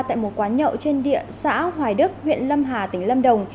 tại một quán nhậu trên địa xã hoài đức huyện lâm hà tỉnh lâm đồng